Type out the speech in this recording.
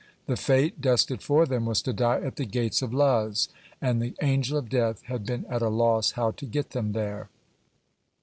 The fate destined for them was to die at the gates of Luz, and the Angel of Death had been at a loss how to get them there.